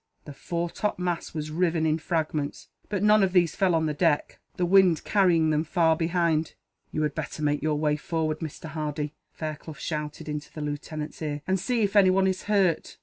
The fore top mast was riven in fragments, but none of these fell on the deck, the wind carrying them far ahead. "You had better make your way forward, Mr. Hardy," Fairclough shouted, into the lieutenant's ear, "and see if anyone is hurt."